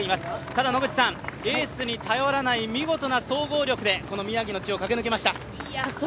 ただエースに頼らない見事な総合力で宮城の地を駆け抜けました。